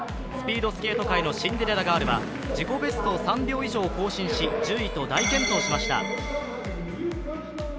スピードスケート界のシンデレラガールは自己ベストを３秒以上も更新し１０位と大健闘しました。